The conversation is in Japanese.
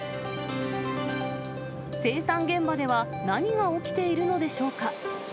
生産現場では、何が起きているのでしょうか。